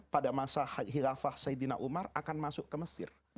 pada masa hilafah sayyidina umar akan masuk ke mesir